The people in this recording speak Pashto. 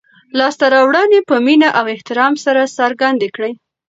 لاسته راوړنې په مینه او احترام سره څرګندې کړئ.